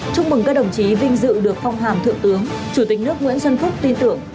chúc mừng các đồng chí vinh dự được phong hàm thượng tướng chủ tịch nước nguyễn xuân phúc tin tưởng